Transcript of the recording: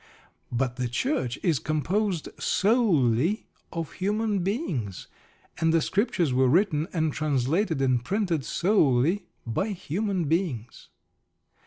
But the Church is composed solely of human beings, and the Scriptures were written and translated and printed solely by human beings.